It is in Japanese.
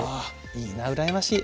いいな羨ましい。